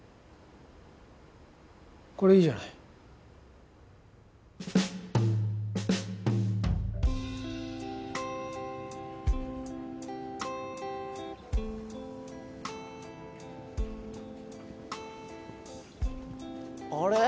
これいいじゃないあれ？